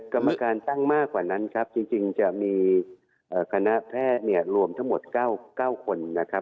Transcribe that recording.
กรรมการตั้งมากกว่านั้นครับจริงจะมีคณะแพทย์เนี่ยรวมทั้งหมด๙คนนะครับ